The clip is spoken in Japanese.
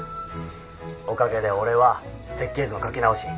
おかげで俺は設計図の描き直し。